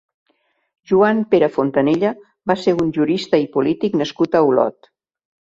Joan Pere Fontanella va ser un jurista i polític nascut a Olot.